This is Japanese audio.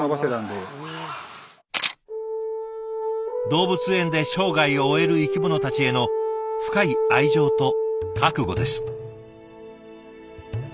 動物園で生涯を終える生き物たちへの深い愛情と覚悟です。